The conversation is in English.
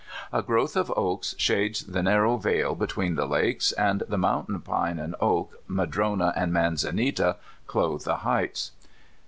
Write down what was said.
A growth of oaks shades the narrow vale between the lakes, and the mountain pine, and oak, madrona, and man zanita clothe the heights.